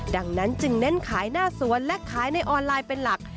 ดังนั้นจึงเน้นขายหน้าสวนและขายในออนไลน์เป็นหลัก